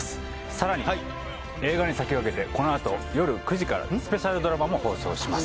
さらに映画に先駆けてこのあと夜９時からＳＰドラマも放送します